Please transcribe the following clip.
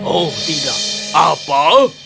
oh tidak apa